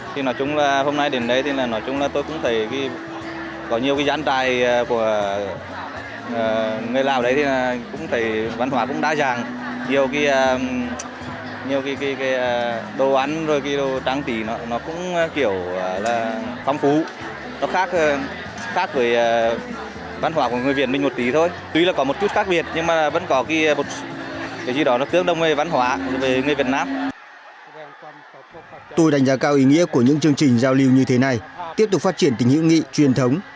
tôi đánh giá cao ý nghĩa của những chương trình giao lưu như thế này tiếp tục phát triển tình hữu nghị truyền thống